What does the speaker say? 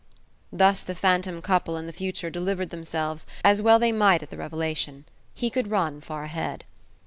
Thus the phantom couple in the future delivered themselves, as well they might at the revelation. He could run far ahead.